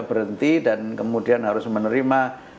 berhenti dan kemudian harus menerima